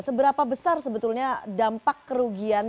seberapa besar sebetulnya dampak kerugian